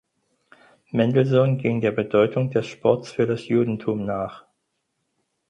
Mendelsohn ging der Bedeutung des Sports für das Judentum nach.